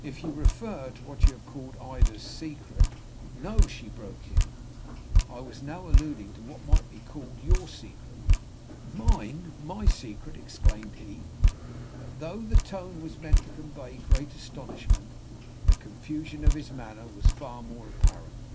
"If you refer to what you have called Ida's secret " "No," broke she in. "I was now alluding to what might be called your secret." "Mine! my secret!" exclaimed he. But though the tone was meant to convey great astonishment, the confusion of his manner was far more apparent.